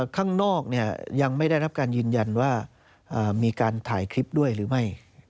ข้างนอกยังไม่ได้รับการยืนยันว่ามีการถ่ายคลิปด้วยหรือไม่